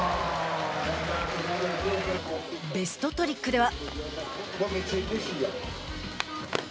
ベストトリックでは。